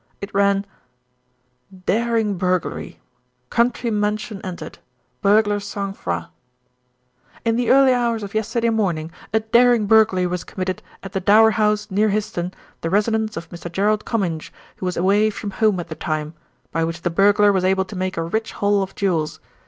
It ran: DARING BURGLARY Country Mansion Entered Burglar's Sang froid In the early hours of yesterday morning a daring burglary was committed at the Dower House, near Hyston, the residence of Mr. Gerald Comminge, who was away from home at the time, by which the burglar was able to make a rich haul of jewels.